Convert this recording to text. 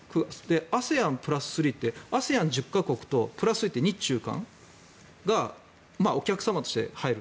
ＡＳＥＡＮ＋３ってＡＳＥＡＮ１０か国とプラス３は日中韓がお客様として入る。